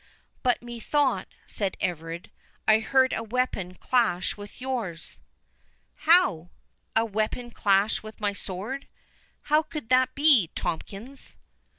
"But methought," said Everard, "I heard a weapon clash with yours?" "How? a weapon clash with my sword?—How could that be, Tomkins?"